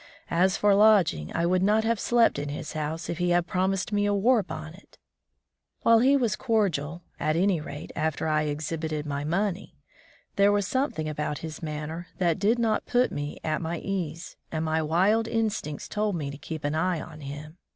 As for lodging, I would not have slept in his house if he had promised me a war bonnet ! While he was cordial — at any rate, after I exhibited my money — there was something about his manner that did not put me at my ease, and my wild instincts told me to keep an eye on him.